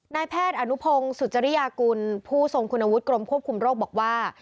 นายแพทย์อนุพงศ์สุจริยากุลผู้ทรงคุณวุฒิกรมควบคุมโรคบอกว่า